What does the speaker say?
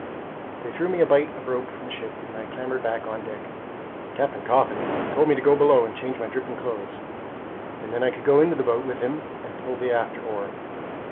They threw me a bight of rope from the ship, and I clambered back on deck. Captain Coffin told me to go below and change my dripping clothes, and then I could go in the boat with him and pull the after oar.